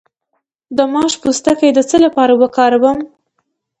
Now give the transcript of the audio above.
د ماش پوستکی د څه لپاره وکاروم؟